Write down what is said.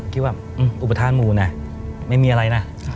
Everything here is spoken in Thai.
คิดว่าอุปทานหมู่นะไม่มีอะไรนะ